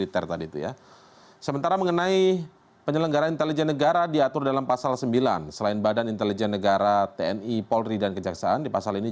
terimakasih pak kewan